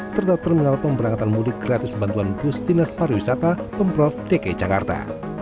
serta terminal pemberangkatan mudik gratis bantuan pustinas pariwisata pemprov dki jakarta